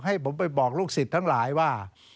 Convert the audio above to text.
ให้ผมไปบอกลูกศิษย์ทั้งหลายว่า